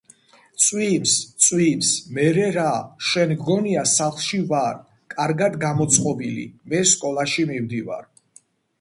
წვიმს წვიმს მერე რა შენ გგონია სახლში ვარ კარგად გამოწყობილი მე სკოლაში მივდივარ